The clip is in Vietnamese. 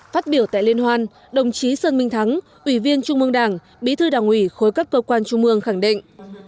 phát biểu tại liên hoan đồng chí sơn minh thắng ủy viên trung mương đảng bí thư đảng ủy khối các cơ quan trung mương khẳng định